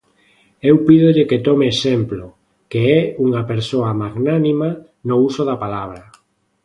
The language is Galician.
Eu pídolle que tome exemplo, que é unha persoa magnánima no uso da palabra.